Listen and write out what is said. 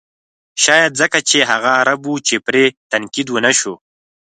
شاید ځکه چې هغه عرب و چې پرې تنقید و نه شو.